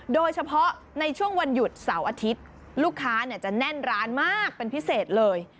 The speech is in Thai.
โดยเฉพาะในช่วงวันหยุดเสาร์อาทิตย์ลูกค้าจะแน่นร้านมากเป็นพิเศษเลย